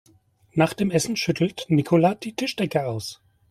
Nach dem Essen schüttelt Nicola die Tischdecke aus.